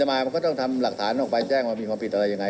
มามันก็ต้องทำหลักฐานออกไปแจ้งว่ามีความผิดอะไรยังไง